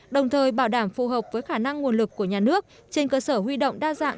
đồng thời bảo đảm phù hợp với khả năng nguồn lực của nhà nước trên cơ sở huy động đa dạng